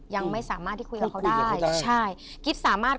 ยังไม่สามารถที่คุยกับเขาได้ใช่